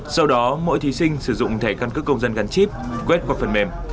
sau đó mỗi thí sinh sử dụng thẻ căn cước công dân gắn chip quét qua phần mềm